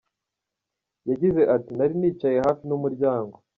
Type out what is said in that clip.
Yagize ati “ Nari nicaye hafi n’umuryango.